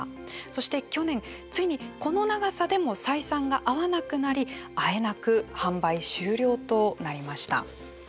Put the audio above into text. そして去年、ついにこの長さでも採算が合わなくなりあえなく販売終了となりました。